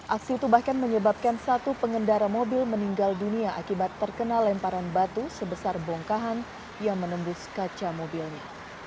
aksi itu bahkan menyebabkan satu pengendara mobil meninggal dunia akibat terkena lemparan batu sebesar bongkahan yang menembus kaca mobilnya